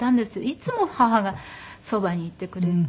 いつも母がそばにいてくれて。